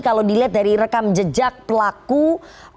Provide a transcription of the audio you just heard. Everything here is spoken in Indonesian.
kalau dilihat dari rekam jejak pelaku